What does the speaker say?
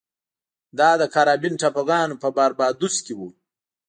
دا د کارابین ټاپوګانو په باربادوس کې و.